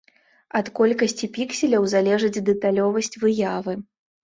Ад колькасці пікселяў залежыць дэталёвасць выявы.